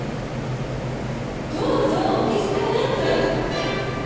どうぞお気遣いなく！